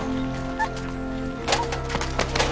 あっ。